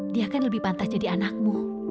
dia akan lebih pantas jadi anakmu